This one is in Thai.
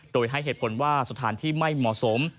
โดยให้เหตุผลว่าสถานที่ไม่เหมาะสม